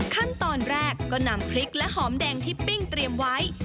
ขั้นตอนแรกก็นำพริกและหอมแดงที่ปิ้งเตรียมไว้